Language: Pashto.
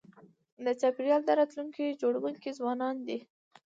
د چاپېریال د راتلونکي جوړونکي ځوانان دي.